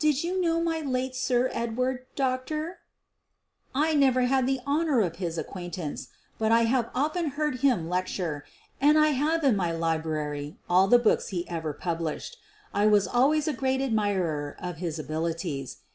Did you know the late Sir Edward, doctor f " 1 ' I never had the honor of his acquaintance, but I have often heard him lecture, and I have in my library all the books he ever published. I was al ways a great admirer of his abilities.